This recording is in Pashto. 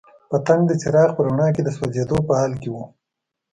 پتنګ د څراغ په رڼا کې د سوځېدو په حال کې وو.